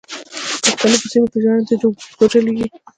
د پښتنو په سیمو کې ژرندې د اوبو په زور چلېږي.